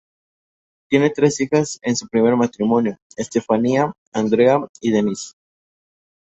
Tiene tres hijas de su primer matrimonio, Estefanía, Andrea y Denisse.